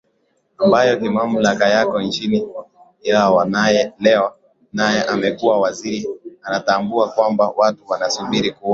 ambayo kimamlaka yako chini yao Leo naye amekuwa waziri anatambua kwamba watu wanasubiri kuona